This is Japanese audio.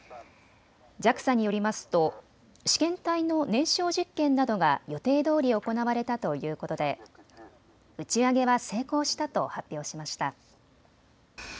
ＪＡＸＡによりますと試験体の燃焼実験などが予定どおり行われたということで打ち上げは成功したと発表しました。